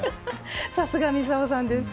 さすが操さんです。